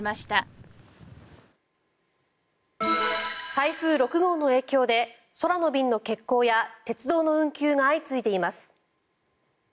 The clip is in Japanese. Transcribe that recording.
台風６号の影響で空の便の欠航や鉄道の運休が相次いでいます。